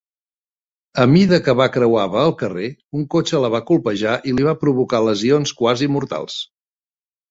A mida que va creuava el carrer, un cotxe la va colpejar i li va provocar lesions quasi mortals.